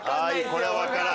これは分からん。